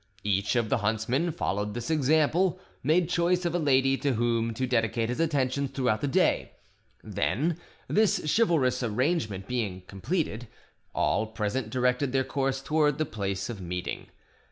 Each of the huntsmen, following this example, made choice of a lady to whom to dedicate his attentions throughout the day; then, this chivalrous arrangement being completed, all present directed their course towards the place of meeting.